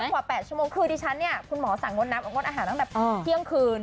มายกว่า๘ชั่วโมงคือดิฉันคุณหมอสั่งงดนับอาหารตั้งแต่เที่ยงคืน